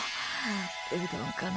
うどんかな？